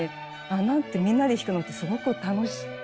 ああなんてみんなで弾くのってすごく楽しい。